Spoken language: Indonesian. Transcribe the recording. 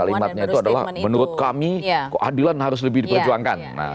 kalimatnya itu adalah menurut kami keadilan harus lebih diperjuangkan